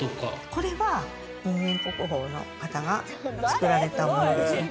これは人間国宝の方が作られたものですね。